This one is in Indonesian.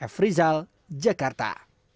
f rizal jakarta